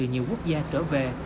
nhiều quốc gia trở về